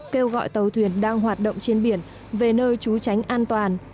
kêu gọi tàu thuyền đang hoạt động trên biển về nơi trú tránh an toàn